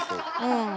うん。